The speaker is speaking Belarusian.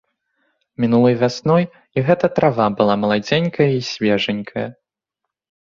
Мінулай вясной і гэта трава была маладзенькая і свежанькая.